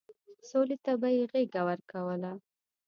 سولې ته به يې غېږه ورکوله.